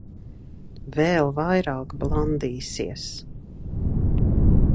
Vēl vairāk blandīsies.